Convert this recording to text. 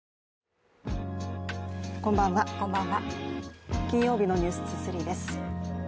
こんばんは、金曜日の「ｎｅｗｓ２３」です。